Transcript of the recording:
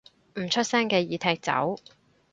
唔出聲嘅已踢走